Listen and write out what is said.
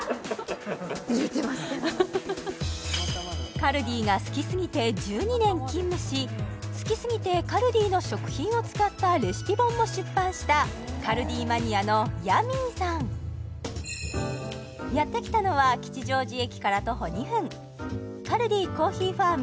カルディが好きすぎて１２年勤務し好きすぎてカルディの食品を使ったレシピ本も出版したカルディマニアのヤミーさんやって来たのは吉祥寺駅から徒歩２分